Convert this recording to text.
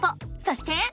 そして。